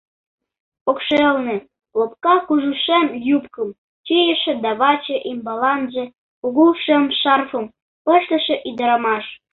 Покшелне — лопка кужу шем юбкым чийыше да ваче ӱмбаланже кугу шем шарфым пыштыше ӱдырамаш.